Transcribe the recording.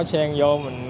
tại chợ đầu mối bình điền